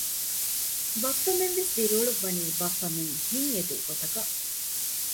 ބައްޕަމެން ވެސް ދިރިއުޅުއްވަނީ ބައްޕަމެން ހިތް އެދޭ ގޮތަކަށް